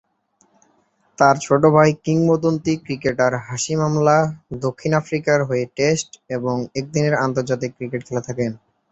তার ছোট ভাই কিংবদন্তি ক্রিকেটার হাশিম আমলা দক্ষিণ আফ্রিকার হয়ে টেস্ট এবং একদিনের আন্তর্জাতিক ক্রিকেট খেলে থাকেন।